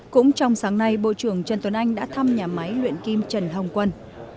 cũng trong sáng nay bộ trưởng trần tuấn anh đã thăm nhà máy luyện kim trần hồng quân